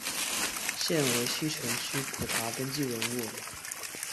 现为西城区普查登记文物。